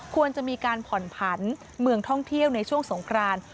ควรจะมีการผ่อนผันเมืองท่องเที่ยวในช่วงสงคราน